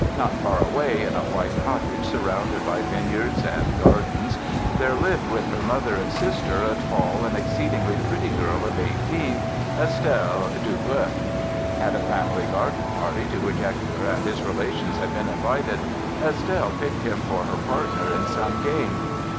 Not far away, in a white cottage, surrounded by vineyards and gardens there lived with her mother and sister a tall and exceedingly pretty girl of eighteen, Estelle Duboeuf. At a family garden party, to which Hector and his relations had been invited, Estelle picked him for her partner in some game.